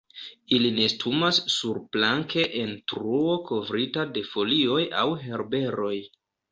Ili nestumas surplanke, en truo kovrita de folioj aŭ herberoj.